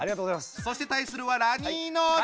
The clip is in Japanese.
そして対するはラニーノーズ！